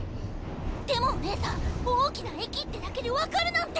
でもおねえさん大きな駅ってだけで分かるなんて！